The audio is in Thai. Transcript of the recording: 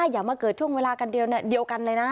อย่ามาเกิดช่วงเวลากันเดียวกันเลยนะ